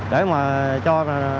để mà cho